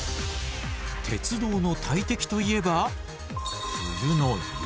鉄道の大敵といえば冬の雪。